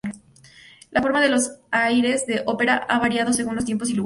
La forma de los aires de ópera ha variado según los tiempos y lugares.